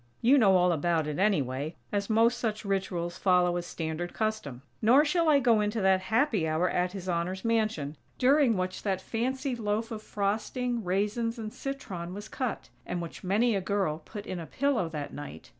You know all about it, anyway, as most such rituals follow a standard custom. Nor shall I go into that happy hour at His Honor's mansion, during which that fancy loaf of frosting, raisins and citron was cut; (and which many a girl put in a pillow that night!)